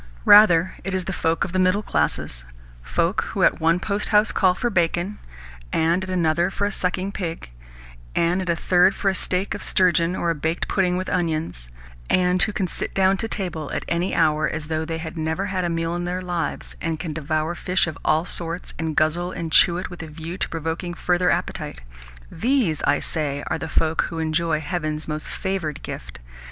Rather, it is the folk of the middle classes folk who at one posthouse call for bacon, and at another for a sucking pig, and at a third for a steak of sturgeon or a baked pudding with onions, and who can sit down to table at any hour, as though they had never had a meal in their lives, and can devour fish of all sorts, and guzzle and chew it with a view to provoking further appetite these, I say, are the folk who enjoy heaven's most favoured gift.